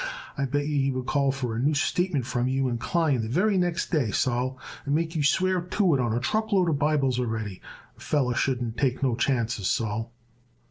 I bet yer he would call for a new statement from you and Klein the very next day, Sol, and make you swear to it on a truck load of Bibles already. A feller shouldn't take no chances, Sol."